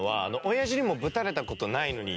親父にもぶたれた事ないのに！